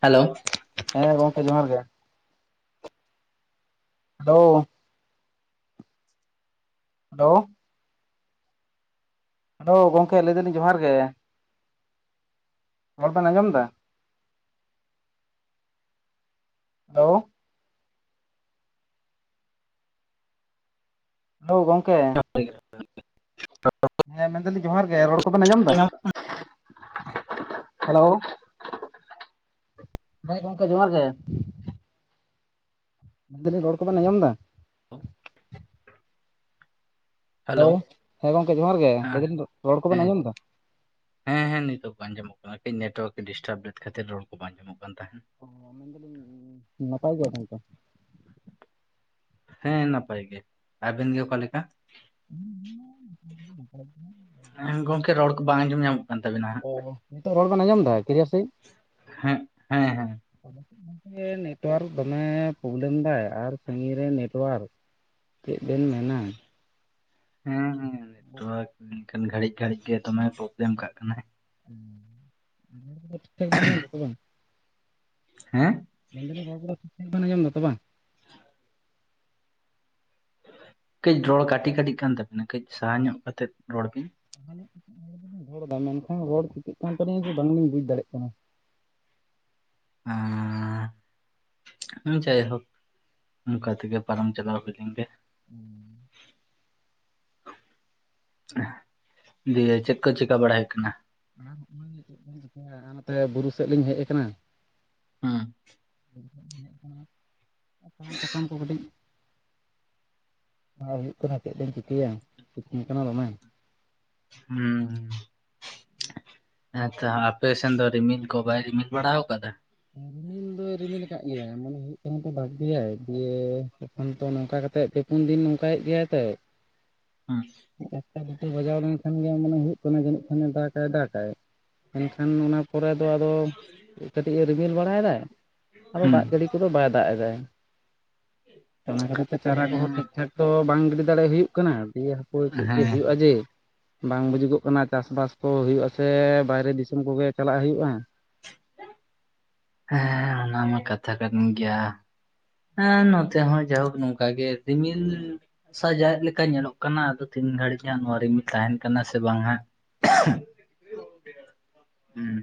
Hello ᱦᱮᱸ ᱜᱚᱝᱠᱮ ᱡᱚᱦᱟᱨ ᱜᱮ ᱦᱮᱞᱳ ᱦᱮᱞᱳ ᱦᱮᱞᱳ ᱜᱚᱝᱠᱮ ᱞᱟᱹᱭ ᱫᱟᱞᱤᱧ ᱡᱚᱦᱟᱨ ᱜᱮ ᱨᱚᱲ ᱵᱮᱱ ᱟᱸᱡᱚᱢ ᱮᱫᱟ ᱦᱮᱞᱳ ᱦᱮᱞᱳᱣ ᱜᱚᱝᱠᱮ [unintelligible] ᱦᱮᱸ ᱢᱮᱱ ᱫᱟᱞᱤᱧ ᱡᱚᱦᱟᱨ ᱜᱮ ᱨᱚᱲ ᱠᱚᱵᱮᱱ ᱟᱸᱡᱚᱢ ᱮᱫᱟ ᱦᱮᱞᱳ ᱦᱮᱸ ᱜᱚᱝᱠᱮ ᱡᱚᱦᱟᱨ ᱜᱮ ᱢᱮᱱ ᱫᱟᱞᱤᱧ ᱨᱚᱲ ᱠᱚᱵᱮᱱ ᱟᱸᱡᱚᱢᱫᱟ ᱦᱮᱞᱳ ᱦᱮᱸ ᱜᱚᱝᱠᱮ ᱡᱚᱦᱟᱨ ᱜᱮ ᱦᱮᱸ ᱞᱟᱹᱭᱮᱫᱤᱱ ᱨᱚᱲ ᱠᱚᱵᱮᱱ ᱦᱮᱸ ᱟᱸᱡᱚᱢ ᱫᱟ ᱦᱮᱸ ᱦᱮᱸ ᱱᱤᱛᱚᱜ ᱟᱸᱡᱚᱢᱚᱜ ᱠᱟᱱᱟ ᱠᱟᱹᱴᱤᱡ ᱱᱮᱴᱳᱣᱟᱨᱠᱮ ᱰᱤᱥᱴᱟᱵ ᱞᱮᱫ ᱠᱷᱟᱹᱛᱤᱨ ᱨᱚᱲ ᱠᱚ ᱵᱟᱝ ᱧᱟᱢᱚᱜ ᱠᱟᱱ ᱛᱟᱦᱮᱸᱫ ᱚ ᱢᱮᱱ ᱫᱟᱞᱤᱧ ᱱᱟᱯᱟᱭ ᱜᱮᱭᱟ ᱵᱮᱱ ᱛᱚ ᱦᱮᱸ ᱱᱟᱯᱟᱭ ᱜᱮ ᱟᱵᱮᱱ ᱜᱮ ᱚᱠᱟ ᱞᱮᱠᱟ ᱟᱞᱤᱧ ᱦᱚᱸ ᱱᱟᱯᱟᱭ ᱫᱚᱞᱤᱧ ᱱᱟᱯᱟᱭ ᱜᱮᱭᱟ ᱦᱮᱸ ᱜᱚᱝᱠᱮ ᱨᱚᱲ ᱠᱚ ᱵᱟᱝ ᱟᱸᱡᱚᱢ ᱧᱟᱢᱚᱜ ᱠᱟᱱ ᱛᱟᱵᱤᱱᱟ ᱚ ᱱᱤᱛᱚᱜ ᱨᱚᱲ ᱵᱚᱱ ᱟᱸᱡᱚᱢ ᱮᱫᱟ ᱠᱞᱤᱭᱟᱨ ᱥᱟᱸᱦᱤᱡ ᱦᱮᱸ ᱦᱮᱸ ᱦᱮᱸ ᱱᱤᱛᱳᱜ ᱜᱚᱝᱠᱮ ᱱᱮᱴᱣᱟᱨᱠ ᱫᱚᱢᱮ ᱯᱨᱚᱵᱞᱮᱢᱫᱟᱭ ᱟᱨ ᱥᱟᱺᱜᱤᱧ ᱨᱮ ᱱᱮᱴᱣᱟᱨᱠ ᱪᱮᱫ ᱵᱮᱱ ᱢᱮᱱᱟ ᱦᱮᱸ ᱦᱮᱸ ᱱᱮᱴᱣᱟᱨᱠᱟ ᱢᱮᱱᱠᱷᱟᱱ ᱜᱷᱟᱲᱤᱡ ᱜᱷᱲᱤᱡ ᱜᱮ ᱫᱚᱢᱮ ᱯᱨᱚᱵᱞᱮᱢ ᱠᱟᱜ ᱠᱟᱱᱟᱭ ᱦᱩᱸ ᱨᱚᱲ ᱠᱚᱫᱚ ᱴᱷᱤᱠ ᱴᱷᱟᱠ ᱵᱮᱱ ᱟᱡᱚᱢ ᱫᱟ ᱛᱚ ᱵᱟᱝ ᱦᱮᱸ ᱢᱮᱱᱫᱟᱞᱤᱧ ᱦᱚᱲ ᱠᱚᱫᱚ ᱴᱷᱤᱠ ᱴᱷᱟᱠ ᱵᱮᱱ ᱟᱸᱚᱢ ᱫᱟ ᱛᱚ ᱵᱟᱝ ᱠᱟᱹᱡ ᱨᱚᱲ ᱠᱟᱹᱴᱤ ᱠᱟᱹᱴᱤᱡ ᱠᱟᱱ ᱛᱟᱵᱤᱱᱟ ᱠᱟᱹᱡ ᱥᱟᱦᱟ ᱧᱚᱜ ᱠᱟᱛᱮᱫ ᱨᱚᱲ ᱵᱤᱱ ᱥᱟᱦᱟᱧᱚᱜ ᱠᱟᱛᱮ ᱜᱮᱞᱤᱧ ᱨᱚᱲ ᱮᱫᱟ ᱢᱮᱱᱠᱷᱟᱱ ᱨᱚᱲ ᱪᱤᱠᱟᱹᱜ ᱠᱟᱱ ᱛᱟᱞᱤᱧᱟ ᱡᱮ ᱵᱟᱝᱞᱤᱧ ᱵᱩᱡᱽ ᱫᱟᱲᱮᱭᱟᱜ ᱠᱟᱱᱟ ᱮᱸᱻ ᱦᱮ ᱡᱟᱭᱦᱳᱠ ᱚᱱᱠᱟ ᱛᱮᱜᱮ ᱯᱟᱨᱚᱢ ᱪᱟᱞᱟᱣ ᱦᱳᱭᱞᱮᱱ ᱜᱮ ᱦᱩᱸ ᱫᱤᱭᱮ ᱪᱮᱫ ᱠᱚ ᱪᱮᱠᱟ ᱵᱟᱲᱟ ᱦᱳᱭᱜ ᱠᱟᱱᱟ ᱟᱨ ᱱᱟᱜᱮ ᱪᱮᱫ ᱠᱚᱵᱮᱱ ᱪᱤᱠᱟᱹᱭᱟ ᱱᱟᱜᱼᱟ ᱱᱚᱛᱮ ᱵᱩᱨᱩ ᱥᱮᱫ ᱞᱤᱧ ᱦᱮᱡ ᱟᱠᱟᱱᱟ ᱦᱮᱸ ᱵᱩᱨᱩ ᱥᱮᱫ ᱞᱤᱧ ᱦᱮᱡ ᱥᱟᱦᱟᱱ ᱥᱟᱠᱟᱢ ᱠᱚ ᱠᱟᱹᱴᱤᱡ ᱟᱨ ᱦᱩᱭᱩᱜ ᱠᱟᱱᱟ ᱪᱮᱫ ᱵᱮᱱ ᱪᱤᱠᱟᱹᱭᱟ ᱥᱤᱛᱩᱝ ᱠᱟᱱᱟ ᱫᱚᱢᱮ ᱦᱩᱸᱦᱩ ᱦᱮᱸᱛᱚ ᱟᱯᱮ ᱥᱮᱱ ᱫᱚ ᱨᱤᱢᱤᱞ ᱠᱚ ᱵᱟᱭ ᱨᱤᱢᱤᱞ ᱵᱟᱲᱟ ᱟᱠᱟᱫᱟ ᱨᱤᱢᱤᱞ ᱯᱩᱨᱟᱹᱭ ᱨᱤᱢᱤᱞ ᱟᱠᱟᱫ ᱜᱮᱭᱟ ᱢᱚᱱᱮ ᱦᱩᱭᱩᱜ ᱠᱟᱱᱟ ᱛᱚ ᱵᱟᱲᱛᱤ ᱭᱟᱭ ᱡᱮ ᱚᱱᱛᱮ ᱱᱚᱝᱠᱟ ᱠᱟᱛᱮ ᱜᱮ ᱯᱩᱱ ᱫᱤᱱ ᱱᱚᱝᱠᱟᱭᱮᱫ ᱜᱮᱭᱟᱭ ᱛᱚ [unintelligible] ᱮᱠᱴᱟ ᱫᱩᱴᱟ ᱵᱟᱡᱟᱣ ᱞᱮᱱᱠᱷᱟᱱ ᱜᱮ ᱢᱟᱱᱮ ᱦᱩᱭᱩᱜ ᱠᱟᱱᱟ ᱡᱟᱹᱱᱤᱡ ᱠᱷᱟᱱᱮ ᱫᱟᱜᱟᱭ ᱫᱟᱜᱟᱭ ᱮᱱᱠᱷᱟᱱ ᱚᱱᱟ ᱯᱚᱨᱮ ᱫᱚ ᱟᱫᱚ ᱠᱟᱹᱴᱤᱡ ᱮ ᱨᱤᱢᱤᱞ ᱵᱟᱲᱟᱭᱮᱫᱟᱭ ᱟᱫᱚ ᱦᱩᱸ ᱫᱟᱜ ᱡᱟᱹᱲᱤ ᱠᱚᱫᱚ ᱵᱟᱭ ᱫᱟᱜ ᱮᱫᱟ ᱚᱱᱟ ᱠᱷᱟᱹᱛᱤᱨ ᱛᱮ ᱪᱟᱨᱟ ᱠᱚᱦᱚᱸ ᱦᱮᱸ ᱴᱷᱤᱠ ᱴᱷᱟᱠ ᱛᱚ ᱵᱟᱝ ᱜᱤᱰᱤ ᱫᱟᱲᱮ ᱦᱩᱭᱩᱜ ᱠᱟᱱᱟ ᱫᱤᱭᱮ ᱯᱚᱨ ᱪᱮᱫ ᱡᱮ ᱦᱮᱸ ᱦᱩᱭᱩᱜᱼᱟ ᱡᱮ ᱵᱟᱝ ᱵᱩᱡᱩᱜᱚᱜ ᱠᱟᱱᱟ ᱪᱟᱥ ᱵᱟᱥ ᱠᱚ ᱦᱩᱭᱩᱜᱼᱟ ᱥᱮ ᱵᱟᱭᱨᱮ ᱫᱤᱥᱚᱢ ᱠᱚᱜᱮ ᱪᱟᱞᱟᱜ ᱦᱩᱭᱩᱜᱼᱟ ᱦᱮᱸ ᱚᱱᱟ ᱢᱟ ᱠᱟᱛᱷᱟ ᱠᱟᱱ ᱜᱮᱭᱟ ᱦᱮᱸ ᱱᱚᱛᱮ ᱦᱚᱸ ᱡᱟᱭᱦᱳᱠ ᱱᱚᱝᱠᱟ ᱜᱮ ᱨᱤᱢᱤᱞ ᱥᱟᱡᱟᱣᱤᱡ ᱞᱮᱠᱟ ᱧᱮᱞᱚᱜ ᱠᱟᱱᱟ ᱟᱫᱚ ᱛᱤᱱ ᱜᱷᱟᱹᱲᱤᱡ ᱦᱟᱸᱜ ᱱᱚᱣᱟ ᱨᱤᱢᱤᱞ ᱛᱟᱦᱮᱱ ᱠᱟᱱᱟ ᱥᱮ ᱵᱟᱝ ᱦᱟᱜ ᱦᱩᱸ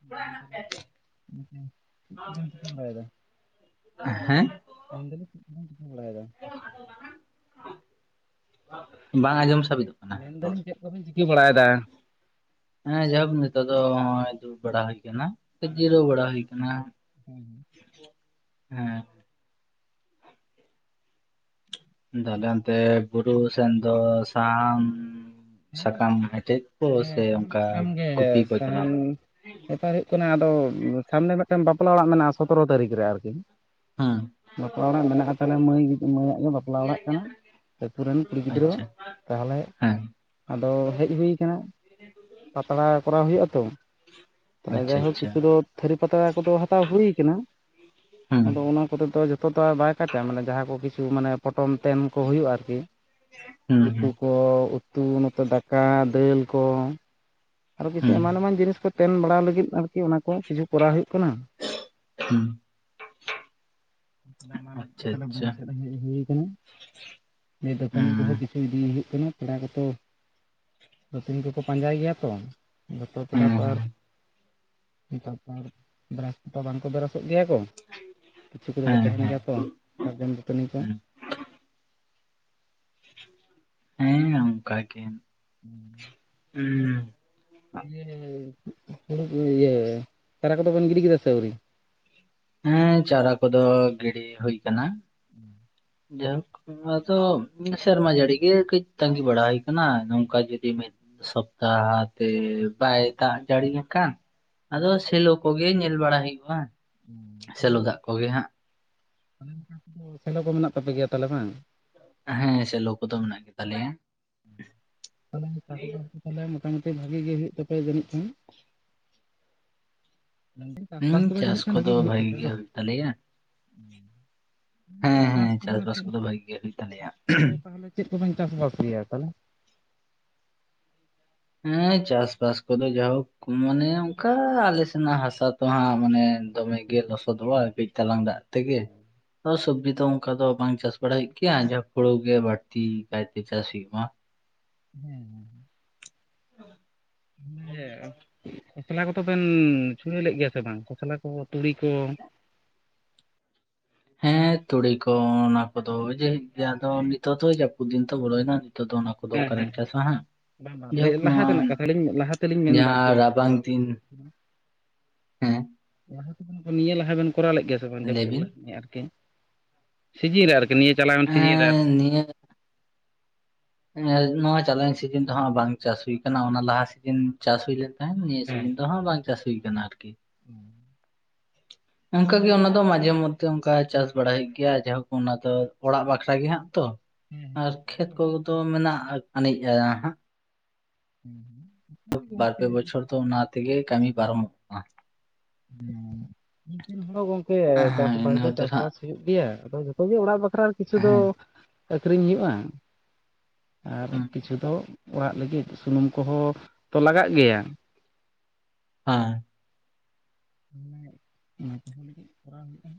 [inaudible] [unintelligible] ᱪᱮᱫ ᱠᱚ ᱮᱱ ᱪᱤᱠᱟᱹ ᱵᱟᱲᱟᱭ ᱫᱟ ᱦᱮᱸ ᱢᱮᱱ ᱫᱟᱞᱤᱧ ᱪᱮᱫ ᱠᱚᱵᱮᱱ ᱪᱤᱠᱟᱹ ᱵᱟᱲᱟᱭ ᱫᱟ [unintelligible] ᱵᱟᱝ ᱟᱸᱡᱚᱢ ᱥᱟᱵᱮ ᱢᱮᱱᱫᱟᱞᱤᱧ ᱪᱮᱫ ᱠᱚᱵᱮᱱ ᱪᱤᱠᱟᱹ ᱵᱟᱲᱟᱭᱮᱫᱟ ᱦᱮᱸ ᱡᱟᱭᱦᱳᱠ ᱱᱤᱛᱚᱜ ᱫᱚ ᱱᱚᱜᱚᱭ ᱫᱩᱲᱩᱵ ᱵᱟᱲᱟ ᱦᱩᱭ ᱠᱟᱱᱟ ᱡᱤᱨᱟᱹᱣ ᱵᱟᱲᱟ ᱦᱩᱭ ᱠᱟᱱᱟ ᱦᱮᱸ ᱦᱮᱸ ᱫᱚ ᱟᱞᱮ ᱚᱱᱛᱮ ᱵᱩᱨᱩ ᱥᱮᱱᱫᱚ ᱥᱟᱦᱟᱱ ᱥᱟᱠᱟᱢ ᱮᱴᱮᱫ ᱠᱚ ᱦᱮᱸ ᱥᱮ ᱥᱟᱦᱟᱱ ᱚᱱᱠᱟ ᱥᱟᱠᱟᱢ ᱜᱮ ᱜᱩᱯᱤ ᱠᱚ ᱪᱟᱞᱟᱣ ᱥᱟᱦᱟᱱ ᱦᱩᱭ ᱠᱟᱱᱟ ᱾ ᱵᱮᱯᱟᱨ ᱦᱩᱭᱩᱜ ᱠᱟᱱᱟ ᱟᱫᱚ ᱥᱟᱢᱱᱮ ᱢᱤᱫᱴᱟᱝ ᱵᱟᱯᱞᱟ ᱚᱲᱟᱜ ᱢᱮᱱᱟᱜᱼᱟ ᱥᱚᱛᱨᱚ ᱛᱟᱹᱨᱤᱠᱷ ᱨᱮ ᱟᱨᱠᱤ ᱦᱩᱸ ᱵᱟᱯᱞᱟ ᱚᱲᱟᱜ ᱢᱮᱱᱟᱜᱼᱟ ᱛᱟᱦᱚᱞᱮ ᱢᱟᱹᱭ ᱢᱟᱹᱭ ᱟᱜ ᱜᱮ ᱵᱟᱯᱞᱟ ᱵᱟᱯᱞᱟ ᱚᱲᱟᱜ ᱠᱟᱱᱟ ᱟᱹᱛᱩ ᱨᱮᱱ ᱠᱩᱲᱤ ᱜᱤᱫᱽᱨᱟᱹ ᱟᱜ ᱟᱪᱪᱷᱟ ᱛᱟᱦᱚᱞᱮ ᱦᱮᱸ ᱟᱫᱚ ᱦᱮᱡ ᱦᱩᱭ ᱠᱟᱱᱟ ᱯᱟᱛᱲᱟ ᱠᱚᱨᱟᱣ ᱦᱩᱭᱩᱜᱼᱟ ᱛᱚ ᱛᱟᱦᱚᱞᱮ ᱟᱪᱪᱷᱟ ᱡᱟᱭᱦᱳᱠ ᱟᱪᱪᱷᱟ ᱠᱤᱪᱷᱩ ᱫᱚ ᱛᱷᱟᱹᱨᱤ ᱯᱟᱛᱲᱟ ᱠᱚᱫᱚ ᱦᱟᱛᱟᱣ ᱦᱩᱭ ᱠᱟᱱᱟ ᱦᱩᱸ ᱟᱫᱚ ᱚᱱᱟ ᱠᱚᱛᱮ ᱛᱚ ᱡᱚᱛᱚ ᱛᱚ ᱵᱟᱭ [unintelligible] ᱢᱟᱱᱮ ᱡᱟᱦᱟᱸ ᱠᱚ ᱠᱤᱪᱷᱩ ᱢᱟᱱᱮ ᱯᱚᱴᱚᱢ ᱛᱮᱱ ᱠᱚ ᱦᱩᱭᱩᱜᱼᱟ ᱟᱨᱠᱤ ᱦᱩᱸ ᱩᱛᱩ ᱦᱩᱸ ᱠᱚ ᱩᱛᱩ ᱱᱚᱛᱮ ᱫᱟᱠᱟ ᱫᱟᱹᱞ ᱠᱚ ᱟᱨᱚ ᱠᱤᱪᱷᱩ ᱦᱩᱸ ᱮᱢᱟᱱ ᱮᱢᱟᱱ ᱡᱤᱱᱤᱥ ᱠᱚ ᱛᱮᱱ ᱵᱟᱲᱟ ᱞᱟᱹᱜᱤᱫ ᱟᱨᱠᱤ ᱚᱱᱟ ᱠᱚ ᱠᱤᱪᱷᱩ ᱠᱚᱨᱟᱣ ᱦᱩᱭᱩᱜ ᱠᱟᱱᱟ [unintelligible] ᱟᱨ ᱚᱱᱟ ᱞᱟᱹᱜᱤᱫ ᱜᱮ ᱟᱪᱪᱷᱟ ᱛᱟᱦᱞᱮ ᱟᱪᱪᱷᱟ ᱵᱩᱨᱩ ᱥᱮᱫ ᱦᱮᱡ ᱦᱩᱭ ᱠᱟᱱᱟ᱾ ᱫᱟᱹᱛᱟᱹᱱᱤ ᱦᱩᱸ ᱠᱚᱦᱚᱸ ᱠᱤᱪᱷᱩ ᱤᱫᱤ ᱦᱩᱭᱩᱜ ᱠᱟᱱᱟ ᱯᱮᱲᱟ ᱠᱚᱛᱚ ᱫᱟᱹᱛᱟᱹᱱᱤ ᱠᱚᱠᱚ ᱯᱟᱸᱡᱟᱭ ᱜᱮᱭᱟ ᱛᱚ ᱡᱚᱛᱚ ᱯᱮᱲᱟ ᱛᱚ ᱦᱩᱸ ᱟᱨ [unintelligible] ᱵᱮᱨᱟᱥ ᱛᱮᱛᱚ ᱵᱟᱝᱠᱚ ᱵᱮᱨᱟᱥᱚᱜ ᱜᱮᱭᱟ ᱠᱚ [inaudible] [unintelligible] ᱫᱚ ᱠᱚ ᱛᱟᱦᱮᱱ ᱦᱮᱸ ᱜᱮᱭᱟ ᱛᱚ ᱥᱟᱨᱡᱚᱢ ᱫᱟᱹᱛᱟᱹᱱᱤ ᱠᱚ ᱦᱮᱸ ᱦᱮᱸ ᱚᱱᱠᱟ ᱜᱮ [inaudible] ᱦᱩᱸᱻ ᱫᱤᱭᱮ ᱦᱩᱲᱩ ᱤᱭᱟᱹ ᱪᱟᱨᱟ ᱠᱚᱫᱚ ᱵᱮᱱ ᱜᱤᱰᱤ ᱠᱮᱫᱟ ᱥᱮ ᱟᱹᱣᱨᱤ? ᱦᱮᱸ ᱪᱟᱨᱟ ᱠᱚᱫᱚ ᱜᱤᱲᱤ ᱦᱩᱭ ᱠᱟᱱᱟ ᱾ [inaudible] ᱡᱟᱭ ᱦᱳᱠ ᱟᱫᱚ ᱥᱮᱨᱢᱟ ᱡᱟᱹᱲᱤ ᱜᱮ ᱠᱟᱹᱡ ᱛᱟᱸᱜᱤ ᱵᱟᱲᱟ ᱦᱩᱭ ᱠᱟᱱᱟ ᱱᱚᱝᱠᱟ ᱡᱩᱫᱤᱼᱼ ᱥᱚᱯᱛᱟ ᱛᱮ ᱵᱟᱭ ᱫᱟᱜ ᱡᱟᱹᱲᱤ ᱞᱮᱠᱷᱟᱱ ᱟᱫᱚ ᱥᱮᱞᱚ ᱠᱚᱜᱮ ᱧᱮᱞ ᱵᱟᱲᱟ ᱦᱩᱭᱩᱜ-ᱟ ᱥᱮᱞᱚ ᱫᱟᱜ ᱠᱚᱜᱮ ᱦᱟᱸᱜ ᱮ ᱥᱮᱞᱚ ᱠᱚ ᱢᱮᱱᱟᱜ ᱛᱟᱯᱮ ᱜᱮᱭᱟ ᱛᱟᱦᱚᱞᱮ ᱵᱟᱝ? ᱦᱮᱸ ᱥᱮᱞᱚ ᱠᱚᱫᱚ ᱢᱮᱱᱟᱜ ᱜᱮ ᱛᱟᱞᱮᱭᱟ ᱛᱟᱦᱞᱮ ᱢᱚᱴᱟᱢᱩᱴᱤ ᱵᱷᱟᱜᱤ ᱜᱮ ᱦᱩᱭᱩᱜ ᱛᱟᱯᱮᱭᱟ ᱡᱟᱹᱱᱤᱡ ᱠᱷᱟᱱ ᱦᱩᱸ ᱪᱟᱥᱵᱟᱥ ᱠᱚᱫᱚ ᱪᱟᱥ ᱡᱟᱹᱱᱤᱡ ᱠᱷᱟᱱ ᱵᱷᱟᱜᱤ ᱜᱮ ᱦᱩᱭᱩᱜ ᱛᱟᱯᱮᱭᱟ ᱵᱟᱝ ᱦᱩᱭᱩᱜ ᱛᱟᱞᱮᱭᱟ ᱦᱮᱸ ᱪᱟᱥ ᱦᱮᱸ ᱪᱟᱥᱵᱟᱥ ᱪᱮᱫ ᱠᱚᱫᱚ ᱵᱷᱟᱜᱤ ᱜᱮ ᱦᱩᱭᱩᱜ ᱛᱟᱞᱮᱭᱟ᱾ ᱪᱟᱥ ᱠᱚᱫᱚ ᱛᱟᱦᱚᱞᱮ ᱪᱮᱫ ᱠᱚᱵᱮᱱ ᱪᱟᱥᱵᱟᱥ ᱜᱮᱭᱟ ᱛᱟᱦᱚᱞᱮ? ᱦᱮᱸ ᱪᱟᱥᱵᱟᱥ ᱠᱚᱫᱚ ᱡᱟᱭᱦᱳᱠ ᱢᱟᱱᱮ ᱚᱱᱠᱟ ᱟᱞᱮ ᱥᱮᱱᱟᱜ ᱦᱟᱥᱟ ᱛᱚ ᱦᱟᱸᱜ ᱢᱟᱱᱮ ᱫᱚᱢᱮ ᱜᱮ ᱞᱚᱥᱚᱫᱚᱜ-ᱟ ᱠᱟᱹᱡ ᱪᱟᱞᱟᱝ ᱫᱟᱜ ᱛᱮᱜᱮ ᱥᱚᱵᱽᱡᱤ ᱫᱚ ᱚᱱᱠᱟ ᱫᱚ ᱵᱟᱝ ᱪᱟᱥ ᱵᱟᱲᱟᱭ ᱦᱩᱭᱩᱜ ᱜᱮᱭᱟ ᱡᱟ ᱦᱩᱲᱩ ᱜᱮ ᱵᱟᱹᱲᱛᱤ ᱠᱟᱭᱛᱮ ᱪᱟᱥ ᱦᱩᱭᱩᱜ ᱟ ᱦᱮᱸ ᱦᱮᱸ ᱮ ᱠᱷᱚᱥᱞᱟ ᱠᱚᱫᱚ ᱵᱮᱱ ᱪᱷᱩᱲᱟᱹᱣ ᱞᱮᱫ ᱜᱮᱭᱟ ᱥᱮ ᱵᱟᱝ ᱠᱷᱚᱥᱞᱟ ᱠᱚ ᱛᱩᱲᱤ ᱠᱚ? ᱦᱮᱸ ᱛᱩᱲᱤ ᱠᱚ ᱚᱱᱟ ᱠᱚᱫᱚ ᱜᱮᱭᱟᱫᱚ ᱱᱤᱛᱚᱜ ᱫᱚ ᱡᱟᱹᱯᱩᱫ ᱫᱤᱱ ᱫᱚ ᱵᱚᱞᱚᱭᱮᱱᱟ ᱱᱤᱛᱚᱜ ᱫᱚ ᱚᱱᱟ ᱠᱚ ᱠᱚᱫᱚ ᱦᱮᱸ ᱦᱮᱸ ᱚᱠᱟᱨᱮᱢ ᱪᱟᱥᱟ ᱦᱟᱜ ᱵᱟᱝ ᱵᱟᱝ ᱞᱟᱹᱭ ᱞᱟᱦᱟ ᱛᱮᱱᱟᱜ ᱠᱟᱛᱷᱟ ᱞᱤᱧ ᱞᱟᱦᱟ ᱛᱮᱞᱤᱧ ᱢᱮᱱᱫᱟ ᱟᱨᱠᱤ ᱡᱟᱦᱟᱸ ᱨᱟᱵᱟᱝ ᱠᱚᱨᱟᱣ [unintelligible] ᱫᱤᱱ ᱦᱮᱸ ᱞᱟᱦᱟ ᱛᱮᱫᱚ ᱱᱤᱭᱟᱹ ᱞᱟᱦᱟ ᱵᱮᱱ ᱠᱚᱨᱟᱣ ᱞᱮᱫ ᱜᱮᱭᱟ ᱥᱮᱵᱟᱝ ᱞᱟᱹᱭ ᱡᱟᱹᱯᱩᱫ ᱵᱤᱱ ᱞᱟᱦᱟ ᱜᱮ ᱟᱨᱠᱤ ᱥᱤᱡᱤᱱ ᱟᱨᱠᱤ ᱱᱤᱭᱟᱹ ᱪᱟᱞᱟᱣᱮᱱ ᱥᱤᱡᱤᱱ ᱨᱮ ᱮᱸ ᱟᱨᱠᱤ ᱱᱤᱭᱟᱹ ᱱᱚᱣᱟ ᱪᱟᱞᱟᱣᱮᱱ ᱥᱤᱡᱤᱱ ᱨᱮ ᱦᱟᱜ ᱵᱟᱝ ᱪᱟᱥ ᱦᱩᱭ ᱟᱠᱟᱱᱟ ᱚᱱᱟ ᱞᱟᱦᱟ ᱥᱤᱡᱤᱱ ᱪᱟᱥ ᱦᱩᱭ ᱞᱮᱱ ᱛᱟᱦᱮᱱ ᱱᱤᱭᱟᱹ ᱦᱮᱸ ᱥᱤᱡᱤᱱ ᱫᱚ ᱦᱟᱜ ᱵᱟᱝ ᱪᱟᱥ ᱦᱩᱭ ᱟᱠᱟᱱᱟ ᱟᱨᱠᱤ ᱦᱮᱸ ᱚᱱᱠᱟᱜᱮ ᱚᱱᱟ ᱫᱚ ᱢᱟᱡᱷᱮ ᱢᱚᱫᱽᱫᱷᱮ ᱚᱱᱠᱟ ᱪᱟᱥ ᱵᱟᱲᱟᱭ ᱦᱩᱭᱩᱜ ᱜᱮᱭᱟ ᱡᱟᱭᱦᱳᱠ ᱚᱱᱟ ᱫᱚ ᱚᱲᱟᱜ ᱵᱟᱠᱷᱨᱟ ᱜᱮ ᱦᱟᱜ ᱛᱚ ᱦᱮᱸ ᱟᱨ ᱱᱤᱛᱚᱜ ᱫᱚ ᱠᱷᱮᱛ ᱚᱲᱟᱜ ᱠᱚᱫᱚ ᱢᱮᱱᱟᱜ ᱟᱱᱤᱡᱼᱟ ᱦᱟᱸᱜ ᱦᱮᱸ ᱦᱩᱸ ᱵᱟᱨ ᱯᱮ ᱵᱚᱪᱷᱚᱨ ᱫᱚ ᱚᱱᱟ ᱛᱮᱜᱮ ᱠᱟᱹᱢᱤ ᱯᱟᱨᱚᱢᱚᱜ-ᱟ ᱦᱮᱸ [unintelligible] ᱦᱚᱲ ᱜᱚᱝᱠᱮ ᱦᱮᱸ ᱪᱟᱥᱵᱟᱥ ᱤᱱᱟᱹ ᱫᱚ ᱠᱷᱟᱹᱛᱤᱨ ᱦᱟᱸᱜ ᱪᱟᱥᱵᱟᱥ ᱦᱩᱭᱩᱜ ᱜᱮᱭᱟ ᱟᱫᱚ ᱡᱚᱛᱚ ᱜᱮ ᱚᱲᱟᱜ ᱵᱟᱠᱷᱨᱟ ᱵᱟᱠᱷᱨᱟ ᱠᱤᱪᱷᱩ ᱫᱚ ᱦᱮᱸ ᱟᱹᱠᱷᱨᱤᱧ ᱦᱩᱭᱩᱜ-ᱟ ᱟᱨ ᱠᱤᱪᱷᱩ ᱫᱚ ᱚᱲᱟᱜ ᱞᱟᱹᱜᱤᱫ ᱥᱩᱱᱩᱢ ᱠᱚᱦᱚᱸ ᱛᱚ ᱞᱟᱜᱟᱜ ᱜᱮᱭᱟ ᱦᱮ ᱢᱟᱱᱮ ᱚᱱᱟ ᱠᱚᱦᱚᱸ ᱞᱟᱹᱜᱤᱫ ᱠᱚᱨᱟᱣ ᱦᱩᱭᱩᱜ-ᱟ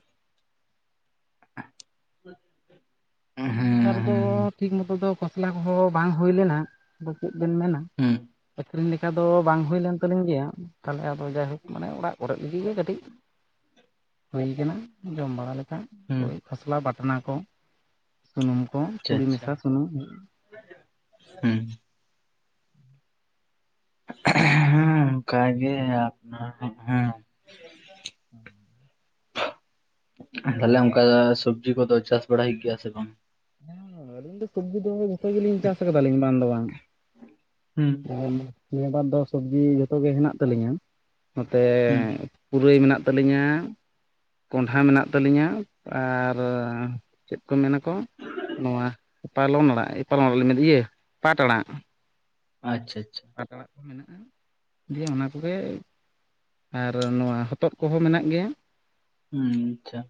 ᱦᱮᱸ ᱱᱤᱭᱟᱹ ᱵᱟᱨ ᱫᱚ ᱦᱮᱸ ᱴᱷᱤᱠ ᱢᱚᱛᱚ ᱫᱚ ᱠᱷᱚᱥᱞᱟ ᱠᱚᱦᱚᱸ ᱵᱟᱝ ᱦᱩᱭ ᱞᱮᱱᱟ ᱟᱫᱚ ᱪᱮᱫ ᱵᱮᱱ ᱢᱮᱱᱟ ᱦᱩᱸ ᱟᱹᱠᱷᱨᱤᱧ ᱞᱮᱠᱟ ᱫᱚ ᱵᱟᱝ ᱦᱩᱭ ᱞᱮᱱ ᱛᱟᱹᱞᱤᱧ ᱜᱮᱭᱟ ᱛᱟᱦᱚᱞᱮ ᱟᱫᱚ ᱡᱟᱭᱦᱳᱠ ᱢᱟᱱᱮ ᱚᱲᱟᱜ ᱚᱲᱟᱜ ᱞᱟᱹᱜᱤᱫ ᱜᱮ ᱠᱟᱹᱴᱤᱡ ᱦᱩᱭ ᱟᱠᱟᱱᱟ ᱡᱚᱢ ᱵᱟᱲᱟ ᱞᱮᱠᱟ ᱦᱩᱸ ᱠᱷᱚᱥᱞᱟ ᱵᱟᱴᱱᱟ ᱠᱚ ᱥᱩᱱᱩᱢ ᱠᱚ ᱛᱩᱲᱤ ᱢᱮᱥᱟ ᱥᱩᱱᱩᱢ ᱦᱩ ᱦᱮᱸ ᱱᱟᱯᱟᱭ ᱜᱮ ᱟᱯᱱᱟᱨ ᱦᱮᱜ-ᱦᱮᱸ ᱦᱮᱸ ᱛᱟᱦᱞᱮ ᱚᱱᱠᱟ ᱥᱚᱵᱽᱡᱤ ᱠᱚᱫᱚ ᱪᱟᱥ ᱵᱟᱲᱟ ᱜᱮᱭᱟ ᱥᱮ ᱵᱟᱝ ᱦᱮᱸ ᱟᱹᱞᱤᱧ ᱫᱚ ᱥᱚᱵᱽᱡᱤ ᱫᱚ ᱡᱷᱚᱛᱚ ᱜᱮᱞᱤᱧ ᱪᱟᱥ ᱠᱟᱫᱟᱞᱤᱧ ᱵᱟᱝ ᱫᱚ ᱵᱟᱝ ᱦᱩᱸ ᱱᱤᱭᱟᱹ ᱵᱟᱨ ᱫᱚ ᱥᱚᱵᱽᱡᱤ ᱡᱚᱛᱚ ᱜᱮ ᱦᱮᱱᱟᱜ ᱛᱟᱹᱞᱤᱧᱟ ᱱᱚᱛᱮ ᱦᱩᱸ ᱯᱩᱨᱟᱹᱭ ᱢᱮᱱᱟᱜ ᱛᱟᱹᱞᱤᱧᱟ ᱠᱚᱸᱰᱷᱟ ᱢᱮᱱᱟᱜ ᱛᱟᱹᱞᱤᱧᱟ ᱟᱨ ᱪᱮᱫ ᱠᱚ ᱢᱮᱱᱟᱠᱚ ᱱᱚᱣᱟ ᱯᱟᱞᱚᱝ ᱟᱲᱟᱜ ᱯᱟᱞᱚᱢ ᱟᱲᱟᱜ ᱞᱤᱧ ᱢᱮᱱᱮᱫᱟ ᱤᱭᱟᱹ ᱯᱟᱴ ᱟᱲᱟᱜ ᱟᱪᱪᱷᱟ ᱟᱪᱪᱷᱟ ᱯᱟᱴ ᱟᱲᱟᱜ ᱠᱚ ᱢᱮᱱᱟᱜ-ᱟ ᱫᱤᱭᱮ ᱚᱱᱟ ᱠᱚᱜᱮ ᱟᱨ ᱱᱚᱣᱟ ᱦᱚᱛᱚᱫ ᱠᱚᱦᱚᱸ ᱢᱮᱱᱟᱜ ᱜᱮᱭᱟ ᱦᱩᱸ ᱟᱪᱪᱷᱟ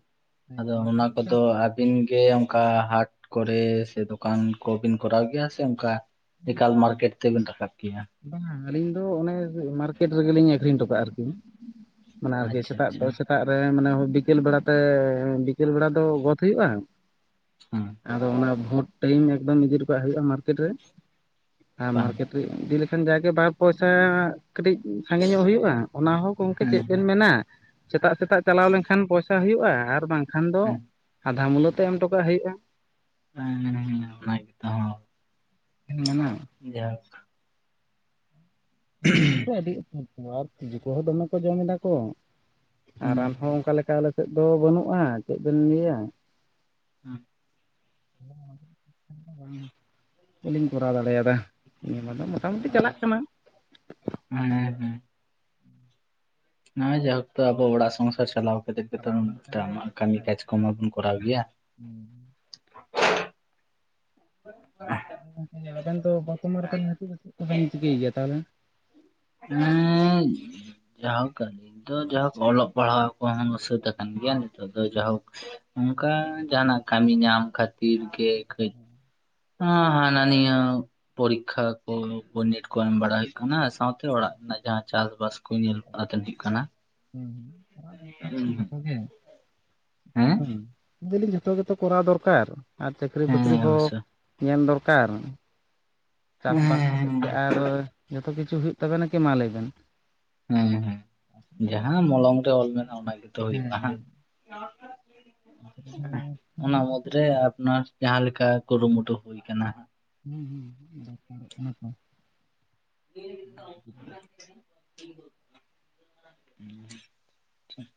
ᱦᱮᱸ ᱟᱫᱚ ᱠᱚᱜᱮ ᱚᱱᱟ ᱠᱚᱫᱚ ᱪᱟᱥ ᱟᱹᱵᱤᱱ ᱜᱮ ᱚᱱᱠᱟ ᱦᱟᱴ ᱠᱚᱨᱮ ᱥᱮ ᱫᱚᱠᱟᱱ ᱠᱚ ᱵᱤᱱ ᱠᱚᱨᱟᱣ ᱜᱮᱭᱟ ᱥᱮ ᱚᱱᱠᱟ ᱮᱠᱟᱞ ᱢᱟᱨᱠᱮᱴ ᱛᱮᱵᱤᱱ ᱨᱟᱠᱟᱵ ᱠᱮᱭᱟ ᱵᱟᱝ-ᱟ ᱟᱹᱞᱤᱧ ᱫᱚ ᱚᱱᱮ ᱢᱟᱨᱠᱮᱴ ᱨᱮᱜᱮᱞᱤᱧ ᱟᱹᱠᱷᱨᱤᱧ ᱦᱚᱴᱚ ᱠᱟᱜᱼᱟ ᱟᱨᱠᱤ ᱢᱟᱱᱮ ᱟᱨᱠᱤ ᱟᱪᱪᱷᱟ ᱥᱮᱛᱟᱜ ᱟᱪᱪᱷᱟ ᱫᱚ ᱥᱮᱛᱟᱜ ᱢᱟᱱᱮ ᱵᱤᱠᱮᱞ ᱵᱮᱲᱟ ᱛᱮ ᱵᱤᱠᱮᱞ ᱵᱮᱲᱟ ᱫᱚ ᱜᱚᱫ ᱦᱩᱭᱩᱜᱼᱟ ᱦᱮᱸ ᱟᱫᱚ ᱚᱱᱟ ᱵᱷᱳᱴ ᱴᱟᱭᱤᱢ ᱮᱠᱫᱚᱢ ᱤᱫᱤ ᱦᱚᱴᱚᱠᱟᱜ ᱦᱩᱭᱩᱜᱼᱟ ᱢᱟᱨᱠᱮᱴ ᱨᱮ ᱟᱨ ᱵᱟᱝ ᱢᱟᱨᱠᱮᱴ ᱨᱮ ᱮᱱᱠᱷᱟᱱ ᱡᱟᱜᱮ ᱵᱟᱨ ᱯᱚᱭᱥᱟ ᱠᱟᱹᱴᱤᱡ ᱥᱟᱸᱜᱮ ᱧᱚᱜ ᱦᱩᱭᱩᱜᱼᱟ ᱚᱱᱟ ᱦᱚᱸ ᱜᱚᱢᱠᱮ ᱪᱮᱫ ᱵᱮᱱ ᱦᱮᱸ ᱢᱮᱱᱟ ᱥᱮᱛᱟᱜ ᱥᱮᱛᱟᱜ ᱪᱟᱞᱟᱣ ᱞᱮᱱᱠᱷᱟᱱ ᱯᱚᱭᱥᱟ ᱦᱩᱭᱩᱜᱼᱟ ᱟᱨ ᱵᱟᱝᱠᱷᱟᱱ ᱫᱚ ᱦᱮᱸ ᱟᱫᱷᱟ ᱢᱩᱞᱟᱹ ᱛᱮ ᱮᱢ ᱦᱚᱴᱚᱠᱟᱜ ᱦᱩᱭᱩᱜᱼᱟ ᱦᱮᱸ ᱦᱮᱸ ᱚᱱᱟ ᱜᱮ ᱚ ᱢᱮᱱᱟ ᱡᱟᱠ ᱟᱹᱰᱤ ᱩᱛᱟᱹᱨ ᱨᱮ ᱟᱹᱰᱤ ᱩᱛᱟᱹᱨ ᱠᱚ ᱟᱨ ᱛᱤᱡᱩ ᱠᱚᱦᱚᱸ ᱫᱚᱢᱮ ᱠᱚ ᱡᱚᱢ ᱮᱫᱟ ᱠᱚ ᱟᱨ ᱦᱩᱸ ᱨᱟᱱ ᱦᱚᱸ ᱚᱱᱠᱟ ᱞᱮᱠᱟ ᱟᱞᱮ ᱥᱮᱫ ᱫᱚ ᱵᱟᱹᱱᱩᱜᱼᱟ ᱪᱮᱫ ᱵᱮᱱ ᱞᱟᱹᱭᱟ ᱦᱮᱸ ᱦᱮ ᱵᱟᱹᱞᱤᱧ ᱠᱚᱨᱟᱣ ᱫᱟᱲᱮᱭᱟᱫᱟ ᱱᱚᱭᱟᱹ ᱫᱚ ᱢᱳᱴᱟᱢᱩᱴᱤ ᱪᱟᱞᱟᱜ ᱠᱟᱱᱟ ᱦᱮᱸ ᱛᱚ ᱱᱚᱜ-ᱚᱭ ᱡᱟᱭ ᱦᱳᱠ ᱛᱳ ᱟᱵᱚ ᱚᱲᱟᱜ ᱥᱚᱝᱥᱟᱨ ᱪᱟᱞᱟᱣ ᱠᱟᱛᱮ ᱜᱮ ᱛᱚ ᱪᱟᱞᱟᱣ ᱞᱮᱱᱠᱷᱟᱱ ᱠᱟᱹᱢᱤ ᱠᱟᱡᱽ ᱠᱚ ᱢᱟᱵᱚᱱ ᱠᱚᱨᱟᱣ ᱜᱮᱭᱟ ᱦᱮᱸ [inaudible] ᱟᱵᱮᱱ ᱫᱚ ᱵᱚᱨᱛᱚᱢᱟᱱ ᱨᱮ ᱛᱟᱦᱞᱮ ᱪᱮᱫ ᱠᱚᱵᱮᱱ ᱪᱤᱠᱟᱹᱭ ᱜᱮᱭᱟ ᱛᱟᱦᱚᱞᱮ ᱦᱮᱸ ᱡᱟᱭᱦᱳᱠ ᱟᱨᱠᱤ ᱱᱤᱛᱚᱜ ᱡᱟᱦᱳᱠ ᱚᱞᱚᱜ ᱯᱟᱲᱦᱟᱣ ᱠᱚᱦᱚᱸ ᱥᱟᱹᱛ ᱟᱠᱟᱱ ᱜᱮᱭᱟ ᱱᱤᱛᱚᱜ ᱫᱚ ᱡᱟᱭᱦᱳᱠ ᱚᱱᱠᱟ ᱡᱟᱦᱟᱱᱟᱜ ᱠᱟᱹᱢᱤ ᱧᱟᱢ ᱠᱷᱟᱹᱛᱤᱨ ᱜᱮ ᱠᱟᱹᱡ ᱦᱮᱸ ᱦᱟᱱᱟ ᱱᱤᱭᱟᱹ ᱯᱚᱨᱤᱠᱠᱷᱟ ᱠᱚ ᱵᱤᱱᱮᱴ ᱠᱚ ᱮᱢ ᱵᱟᱲᱟ ᱦᱩᱭᱩᱜ ᱠᱟᱱᱟ ᱥᱟᱶᱛᱮ ᱚᱲᱟᱜ ᱨᱮᱱᱟᱜ ᱡᱟᱦᱟᱸ ᱪᱟᱥ ᱵᱟᱥ ᱠᱚ ᱧᱮᱞ ᱠᱟᱛᱮᱫ ᱦᱩᱭᱩᱜ ᱠᱟᱱᱟ ᱦᱮᱸ ᱦᱮᱸ ᱪᱟᱜ ᱫᱚᱨᱠᱟᱨ ᱫᱚ ᱡᱚᱛᱚᱜ ᱜᱮ [inaudible] ᱦᱮᱸ ᱞᱮᱭ ᱫᱟᱞᱤᱧ ᱡᱷᱚᱛᱚ ᱜᱮᱛᱚ ᱠᱚᱨᱟᱣ ᱫᱚᱨᱠᱟᱨ ᱟᱨ ᱪᱟᱹᱠᱨᱤ ᱦᱮᱸ ᱵᱟᱹᱠᱨᱤ ᱦᱚᱸ ᱚᱵᱚᱥᱥᱳᱭ ᱧᱮᱞ ᱫᱚᱨᱠᱟᱨ ᱪᱟᱥᱼᱵᱟᱥ ᱦᱮᱸ ᱠᱟᱛᱮᱫ ᱜᱮ ᱟᱨ ᱡᱚᱛᱚ ᱠᱤᱪᱷᱩ ᱦᱩᱭᱩᱜ ᱛᱟᱵᱮᱱᱟ ᱠᱤ ᱢᱟ ᱞᱟᱹᱭ ᱵᱮᱱ ᱦᱮᱸ ᱦᱮᱸ ᱡᱟᱦᱟᱸ ᱢᱚᱞᱚᱝ ᱨᱮ ᱚᱞ ᱢᱮᱱᱟᱜᱼᱟ ᱚᱱᱟ ᱜᱮᱛᱚ ᱦᱩᱭᱩᱜᱼᱟ ᱚᱱᱟ ᱢᱩᱫᱽᱨᱮ ᱟᱯᱱᱟᱨ ᱡᱟᱦᱟᱸ ᱞᱮᱠᱟ ᱠᱩᱨᱩᱢᱩᱴᱩ ᱦᱩᱭ ᱟᱠᱟᱱᱟ ᱦᱩᱸ ᱦᱩᱸ [inaudible] ᱴᱷᱤᱠ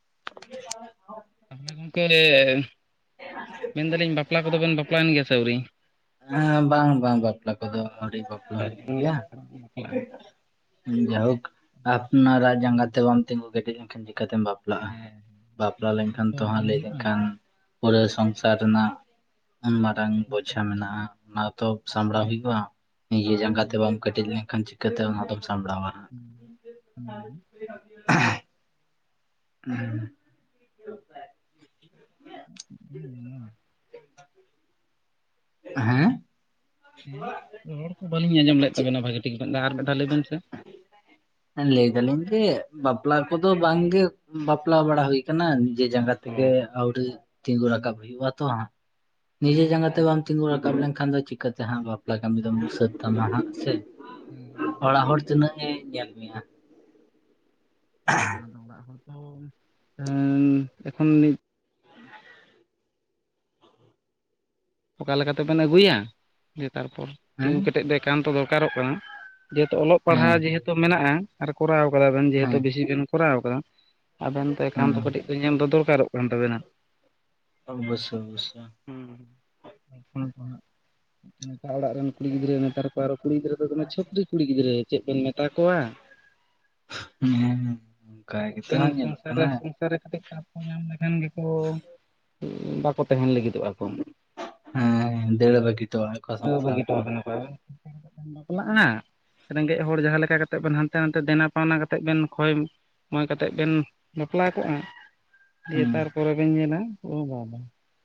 ᱛᱟᱦᱚᱞᱮ ᱜᱚᱝᱠᱮ ᱢᱮᱱ ᱮᱫᱟᱞᱤᱧ ᱵᱟᱯᱞᱟ ᱠᱚᱫᱚ ᱵᱮᱱ ᱵᱟᱯᱞᱟᱭᱮᱱ ᱜᱮᱭᱟ ᱥᱮ ᱟᱣᱨᱤ ᱦᱮᱸ ᱵᱟᱝ ᱵᱟᱝ ᱵᱟᱯᱞᱟ ᱠᱚᱫᱚ ᱟᱹᱶᱨᱤ ᱵᱟᱯᱞᱟ ᱦᱩᱭᱩᱜ ᱜᱮᱭᱟ ᱵᱟᱯᱞᱟᱜᱼᱟ ᱡᱟᱭᱦᱳᱠ ᱟᱯᱱᱟᱨᱟᱜ ᱡᱟᱸᱜᱟ ᱛᱮ ᱵᱟᱢ ᱛᱤᱸᱜᱩ ᱠᱮᱴᱮᱡ ᱞᱮᱱ ᱠᱷᱟᱱ ᱪᱤᱠᱟᱹᱛᱮᱢ ᱵᱟᱯᱞᱟᱜ-ᱟ ᱦᱮᱸ ᱵᱟᱯᱞᱟᱼᱟ ᱵᱟᱯᱞᱟ ᱠᱟᱛᱮᱫ ᱞᱮᱱᱠᱷᱟᱱ ᱦᱚᱸᱛᱚ ᱛᱚ ᱦᱟᱸᱜ ᱵᱟᱝ ᱞᱟᱹᱭ ᱦᱩᱭᱩᱜᱼᱟ ᱞᱮᱱᱠᱷᱟᱱ ᱯᱩᱨᱟᱹ ᱥᱚᱝᱥᱟᱨ ᱨᱮᱱᱟᱜ ᱩᱱ ᱢᱟᱨᱟᱝ ᱵᱳᱪᱷᱟ ᱢᱮᱱᱟᱜᱼᱟ ᱚᱱᱟ ᱛᱚ ᱥᱟᱢᱲᱟᱣ ᱦᱩᱭᱩᱜᱼᱟ ᱱᱤᱡᱮ ᱡᱟᱸᱜᱟ ᱛᱮ ᱵᱟᱢ ᱠᱮᱹᱴᱮᱡ ᱦᱩᱸ ᱞᱮᱱ ᱠᱷᱟᱱ ᱪᱤᱠᱟᱹ ᱛᱮ ᱚᱱᱟ ᱫᱚᱢ ᱥᱟᱢᱲᱟᱣᱟ ᱦᱮᱸ ᱦᱮᱸ [unintelligible] ᱦᱮᱸ ᱦᱩᱸ ᱦᱩᱸ ᱦᱮᱸ ᱦᱮᱸ ᱨᱚᱲ ᱵᱟᱹᱞᱤᱧ ᱟᱸᱡᱢ ᱞᱮᱫ ᱛᱟᱵᱮᱱᱟ ᱵᱷᱟᱹᱜᱤ ᱴᱷᱤᱠ ᱵᱮᱱ ᱟᱨ ᱢᱤᱫ ᱫᱷᱟᱣ ᱞᱟᱹᱭᱵᱮᱱ ᱥᱮ ᱞᱟᱹᱭ ᱫᱟᱞᱤᱧ ᱡᱮ ᱵᱟᱯᱞᱟ ᱠᱚᱫᱚ ᱵᱟᱝᱜᱮ᱾ ᱵᱟᱯᱞᱟ ᱵᱟᱲᱟ ᱦᱩᱭ ᱼᱼ ᱠᱟᱱᱟ ᱱᱤᱡᱮ ᱡᱟᱸᱜᱟ ᱚ ᱛᱮᱜᱮ ᱟᱹᱣᱨᱤ ᱛᱤᱸᱜᱩ ᱨᱟᱠᱟᱵ ᱦᱩᱭᱩᱜᱼᱟ ᱛᱚ ᱦᱟᱸᱜ। ᱱᱤᱡᱮ ᱡᱟᱸᱜᱟ ᱛᱮ ᱵᱟᱢ ᱛᱤᱸᱜᱩ ᱨᱟᱠᱟᱵ ᱞᱮᱱᱠᱷᱟᱱ ᱫᱚ ᱪᱤᱠᱠᱟᱛᱮ ᱦᱟᱸᱜ ᱵᱟᱯᱞᱟ ᱠᱟᱹᱢᱤ ᱫᱚᱢ ᱥᱟᱹᱛ ᱛᱟᱢᱟ ᱦᱟᱸᱜ ᱥᱮ। ᱦᱩᱸ ᱦᱩᱸ ᱚᱲᱟᱜ ᱦᱚᱲ ᱛᱤᱱᱟᱹᱜ ᱮ ᱧᱮᱞ ᱢᱮᱭᱟ। ᱵᱟᱝ ᱟᱫᱚ ᱚᱲᱟᱜ ᱦᱚᱲ ᱛᱚ ᱮᱸᱻ ᱮᱠᱷᱚᱱ ᱼᱼ ᱚᱠᱟ ᱛᱮᱵᱮᱱ ᱟᱹᱜᱩᱭᱟ ᱫᱤᱭᱮ ᱛᱟᱨᱯᱚᱨ ᱦᱮᱸ ᱛᱤᱸᱜᱩ ᱠᱮᱴᱮᱡ ᱵᱮᱱ [inaudible] ᱮᱠᱟᱱᱛᱚ ᱫᱚᱨᱠᱟᱨᱚᱜ ᱠᱟᱱᱟ ᱡᱮᱦᱮᱛᱩ ᱚᱞᱚᱜ ᱦᱮᱸ ᱯᱟᱲᱦᱟᱣ ᱡᱮᱦᱮᱛᱩ ᱢᱮᱱᱟᱜᱼᱟ᱾ ᱟᱨ ᱠᱚᱨᱟᱣ ᱟᱠᱟᱫᱟ ᱵᱮᱱ ᱡᱮᱦᱮᱛᱩ ᱦᱮᱸ ᱵᱮᱥᱤ ᱵᱮᱱ ᱠᱚᱨᱟᱣ ᱟᱠᱟᱫᱟ᱾ ᱟᱵᱮᱱ ᱛᱚ ᱮᱠᱟᱱᱛᱚ ᱦᱮᱸ ᱠᱟᱹᱴᱤᱡ ᱼᱼ ᱟ [inaudible] ᱧᱮᱞ ᱫᱚ ᱫᱚᱨᱠᱟᱨᱚᱜ ᱠᱟᱱ ᱛᱟᱵᱮᱱᱟ। ᱚᱵᱚᱥᱥᱳ ᱚᱵᱚᱥᱥᱳ ᱦᱩᱸᱸ ᱥ ᱯᱷᱳᱱ ᱠᱚ ᱦᱟᱸᱜ ᱱᱮᱛᱟᱨ ᱚᱲᱟᱜ ᱨᱮᱱ ᱼᱼ ᱠᱩᱲᱤ ᱜᱤᱫᱽᱨᱟᱹ ᱱᱮᱛᱟᱨ ᱠᱚ ᱟᱨᱚ ᱠᱩᱲᱤ ᱜᱤᱫᱽᱨᱟᱹ ᱫᱚᱢᱮ ᱪᱷᱟᱹᱯᱨᱤ ᱠᱩᱤ ᱜᱤᱫᱽᱨᱟᱹ ᱪᱮᱫ ᱵᱚᱱ ᱢᱮᱛᱟ ᱠᱚᱣᱟ। ᱦᱮᱸ ᱦᱮᱸ ᱦᱮᱸ ᱚᱱᱠᱟ ᱠᱟᱹᱴᱤᱡ ᱜᱮᱛᱚ ᱵᱮᱱ ᱦᱟᱸᱜ ᱧᱮᱞᱚᱜ ᱥᱚᱝᱥᱟᱨ ᱨᱮ ᱠᱟᱱᱟ। ᱥᱚᱝᱥᱟᱨ ᱨᱮ ᱠᱟᱹᱴᱤᱡ ᱠᱟᱯ ᱠᱚ ᱧᱟᱢ ᱞᱮᱠᱷᱟᱱ ᱜᱮᱠᱚ ᱵᱟᱠᱚ ᱛᱟᱦᱮᱱ ᱞᱟᱹᱜᱤᱫ। [inaudible] ᱦᱮᱸ ᱫᱟᱹᱲ ᱵᱟᱹᱜᱤ ᱛᱚ ᱟᱠᱚ ᱫᱟᱹᱲ ᱥᱚᱝᱥᱟᱨ ᱵᱟᱹᱜᱤ ᱦᱚᱴᱚ ᱠᱚ ᱟᱵᱤᱱᱟᱠᱚ ᱟᱵᱤᱱ? [inaudible] ᱵᱟᱯᱞᱟᱜᱼᱟ ᱨᱮᱸᱜᱮᱡ ᱦᱚᱲ ᱡᱟᱦᱟᱸ ᱞᱮᱠᱟ ᱠᱟᱛᱮ ᱵᱮᱱ ᱦᱟᱱᱛᱮ ᱱᱟᱛᱮ ᱫᱮᱱᱟ ᱯᱟᱣᱱᱟ ᱠᱟᱛᱮᱫ ᱵᱮᱱ ᱠᱷᱚᱭ ᱼᱼ ᱠᱚᱭ ᱠᱟᱛᱮᱫ ᱵᱤᱱ ᱵᱟᱯᱞᱟ ᱠᱚᱜᱼᱟ ᱫᱤᱭᱮ ᱦᱮᱸ ᱛᱟᱨ ᱼᱼ ᱯᱚᱨᱮ ᱯᱚᱨᱮ ᱵᱤᱱ ᱧᱮᱞᱟ ᱳ ᱵᱟᱵᱟ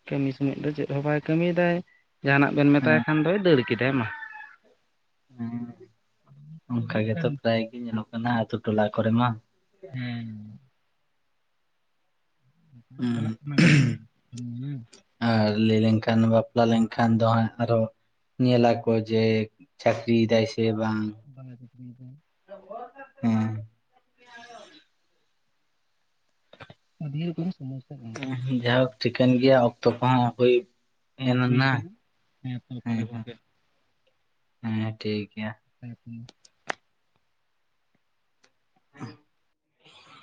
ᱠᱟᱹᱢᱤ ᱥᱚᱢᱚᱭ ᱫᱚ ᱪᱮᱫ ᱦᱚᱸ ᱵᱟᱭ ᱠᱟᱹᱢᱤᱭᱮᱫᱟᱭ। ᱡᱟᱦᱟᱱᱟᱜ ᱵᱮᱱ ᱢᱮᱛᱟᱭ ᱦᱮᱸ ᱠᱷᱟᱱ ᱫᱚᱭ ᱫᱟᱹᱲ ᱠᱮᱫᱟᱭ ᱢᱟ। ᱦᱮᱸ ᱚᱱᱠᱟ ᱦᱩᱭᱩᱜ ᱠᱟᱱ ᱜᱮᱛᱚ ᱯᱨᱟᱭ ᱜᱮ ᱧᱮᱞᱚᱜ ᱠᱟᱱᱟ ᱟᱛᱳ ᱴᱚᱞᱟ ᱠᱚᱨᱮ ᱢᱟ। ᱦᱮᱸ ᱪᱟᱞᱟᱜ ᱠᱟᱱᱟ ᱵᱤᱱ ᱥᱮ ᱵᱟᱝᱟ [inaudible] ᱧᱮᱧᱮᱞ? ᱟᱨ ᱞᱟᱹᱭ ᱞᱮᱱᱠᱷᱟᱱ ᱵᱟᱯᱞᱟ ᱞᱮᱱᱠᱷᱟᱱ ᱫᱚ ᱦᱟᱸᱜ ᱟᱨᱦᱚᱸ ᱼᱼ ᱧᱮᱞᱟᱠᱚ ᱡᱮ ᱪᱟᱹᱠᱨᱤᱭ ᱮᱫᱟᱭ ᱥᱮ ᱵᱟᱝ। ᱼ ᱦᱮᱸ ᱟᱫᱮ ᱠᱚ ᱦᱚᱸ ᱥᱚᱢᱚᱥᱥᱟ। ᱜᱚᱝᱠᱮ ᱪᱮᱫ ᱵᱮᱱ ᱢᱮᱱᱟ ᱡᱟᱭᱦᱳᱠ ᱴᱷᱤᱠᱟᱹᱱ ᱜᱮᱭᱟ ᱚᱠᱛᱚ ᱠᱚ ᱦᱟᱸᱜ ᱦᱩᱭ ᱼᱼ ᱦᱮᱸ ᱮᱱᱟ ᱦᱩᱭ ᱱᱷᱟᱜ ᱠᱟᱱᱟ ᱛᱚ ᱦᱮᱸ ᱛᱟᱦᱚᱞᱮ ᱜᱚᱝᱠᱮ ᱦᱮᱸ ᱴᱷᱤᱠ ᱜᱮᱭᱟ᱾ [inaudible] ᱦᱮᱸ